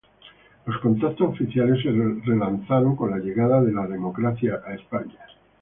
Los contactos oficiales se relanzaron con la llegada de la democracia a España.